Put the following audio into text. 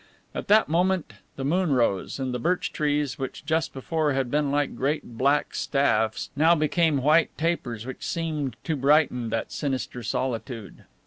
At that moment the moon rose and the birch trees, which just before had been like great black staffs, now became white tapers which seemed to brighten that sinister solitude.